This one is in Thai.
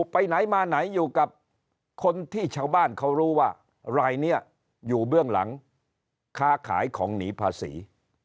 ไปไหนมาไหนอยู่กับคนที่ชาวบ้านเขารู้ว่ารายนี้อยู่เบื้องหลังค้าขายของหนีภาษี